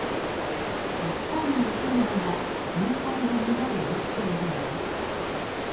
たくさんの生きものがジュンサイの沼で生きているのです。